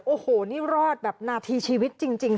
โอ้โหนี่รอดแบบนาทีชีวิตจริง